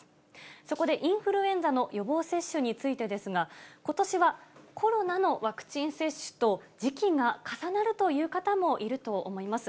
そこでインフルエンザの予防接種についてですが、ことしはコロナのワクチン接種と時期が重なるという方もいると思います。